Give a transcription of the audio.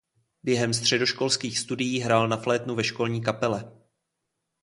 Během středoškolských studií hrál na flétnu ve školní kapele.